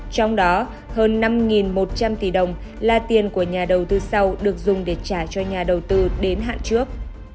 trong đó hơn năm một trăm linh tỷ đồng là tiền của nhà đầu tư sau được dùng để trả cho nhà đầu tư đến hạn trước